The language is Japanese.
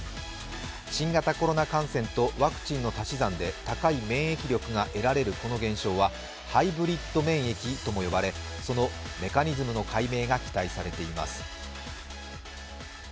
新型コロナ感染とワクチンの足し算で高い免疫力が得られるこの現象はハイブリッド免疫とも呼ばれそのメカニズムの解明が期待されています。